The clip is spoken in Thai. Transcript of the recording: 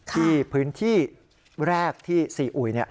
ที่พื้นที่แรกที่ซีอุย